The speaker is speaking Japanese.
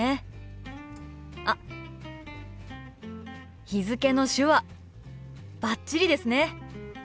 あっ日付の手話バッチリですね！